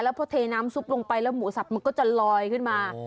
พอเทน้ำซุปลงไปแล้วหมูสับมันก็จะลอยขึ้นมา